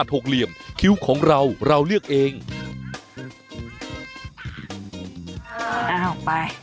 เดี๋ยวกลับมาเครียดก่อนเดิม